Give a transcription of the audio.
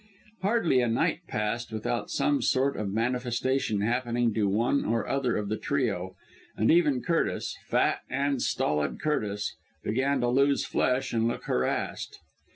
Hardly a night passed without some sort of manifestation happening to one or other of the trio, and even Curtis fat and stolid Curtis began to lose flesh and look harassed.